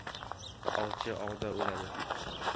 • Ovchi ovda o‘ladi.